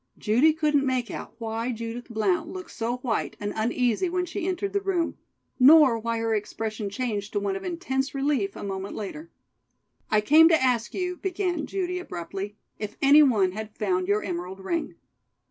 Judy couldn't make out why Judith Blount looked so white and uneasy when she entered the room; nor why her expression changed to one of intense relief a moment later. "I came to ask you," began Judy abruptly, "if any one had found your emerald ring."